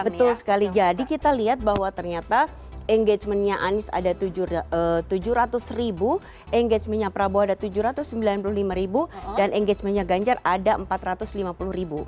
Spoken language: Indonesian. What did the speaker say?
betul sekali jadi kita lihat bahwa ternyata engagementnya anies ada tujuh ratus ribu engagementnya prabowo ada tujuh ratus sembilan puluh lima ribu dan engagementnya ganjar ada empat ratus lima puluh ribu